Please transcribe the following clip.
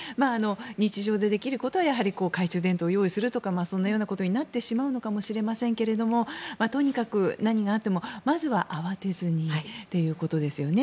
日常でできることは懐中電灯を用意するとかそういうことになってしまうのかもしれませんがとにかく何があってもまずは慌てずにということですよね。